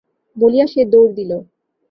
বলিয়া সে দৌড় দিল।